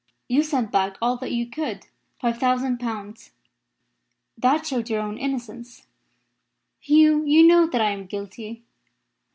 You sent back all that you could five thousand pounds. That showed your own innocence " "Hugh, you know that I am guilty."